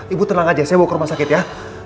ibu tenang aja saya mau ke rumah sakit ya